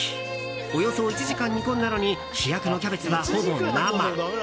およそ１時間煮込んだのに主役のキャベツは、ほぼ生。